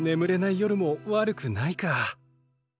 夜も悪くないか。